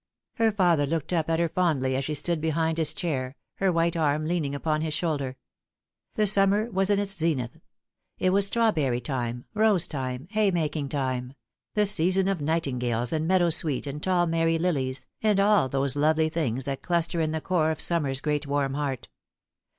Her father looked up at bfj fondly as she stood behind his chair, her white arm leaning upon his shoulder. The summer was in its zenith. It was strawberry time, rose time, hay making time the season of nightingales and meadow sweet and tall Mary lilies, and all those lovely things that cluster in the core of summer's great warm heart.